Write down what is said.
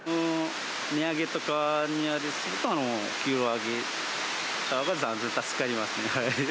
値上げとかからすると、給料上げたほうが断然助かりますね。